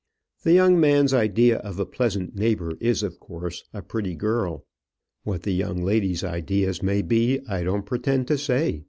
The young man's idea of a pleasant neighbour is of course a pretty girl. What the young ladies' idea may be I don't pretend to say.